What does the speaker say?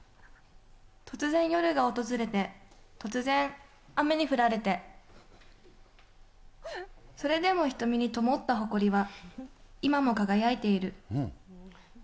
突然夜が訪れて、突然雨に降られて、それでも瞳に灯った誇りは、今も輝いている。